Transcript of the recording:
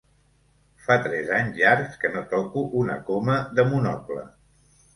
Fa tres anys llargs que no toco una coma de Monocle.